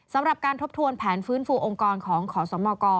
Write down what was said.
สำหรับการทบทวนแผนฟื้นฟูองค์กรของขอสมก